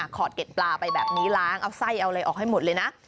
ขอดเด็ดปลาไปแบบนี้ล้างเอาไส้เอาอะไรออกให้หมดเลยนะ